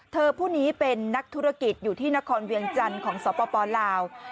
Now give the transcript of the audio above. ผู้นี้เป็นนักธุรกิจอยู่ที่นครเวียงจันทร์ของสปลาว